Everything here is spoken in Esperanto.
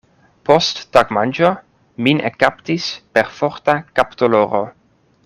Post tagmanĝo, min ekkaptis perforta kapdoloro.